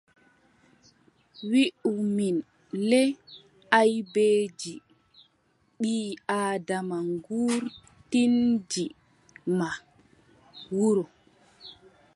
Wiʼu min le aybeeji ɓii- Aadama gurtinɗi ma wuro.